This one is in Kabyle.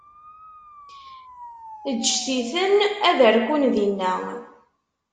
Ǧǧet-iten ad rkun dinna.